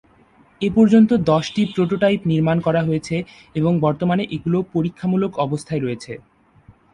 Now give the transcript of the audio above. এ পর্যন্ত দশটি প্রোটোটাইপ নির্মাণ করা হয়েছে এবং বর্তমানে এগুলো পরীক্ষামূলক অবস্থায় রয়েছে।